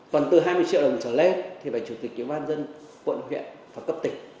còn từ hai mươi triệu đồng trở lên thì phải chủ tịch bán dân quận huyện và cấp tịch